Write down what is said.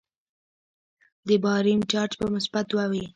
د باریم چارج به مثبت دوه وي.